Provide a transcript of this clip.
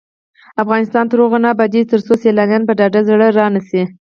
افغانستان تر هغو نه ابادیږي، ترڅو سیلانیان په ډاډه زړه را نشي.